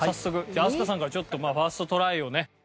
じゃあ飛鳥さんからちょっとファーストトライをね。